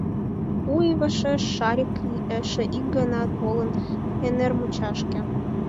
У ий вашеш Шарик эше ик гана толын Эҥермучашке.